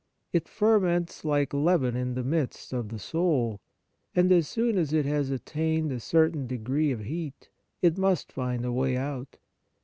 It ferments like leaven in the midst of the soul, and as soon as it has attained a cer tain degree of heat, it must find a way out.